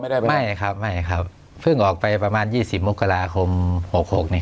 ไม่ครับไม่ครับเพิ่งออกไปประมาณยี่สิบมกราคมหกหกนี่